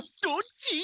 どっち！？